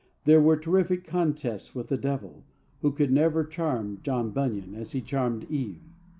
There were terrific contests with the Devil, who could never charm John Bunyan as he charmed Eve.